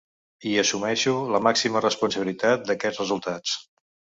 I assumeixo la màxima responsabilitat d’aquests resultats.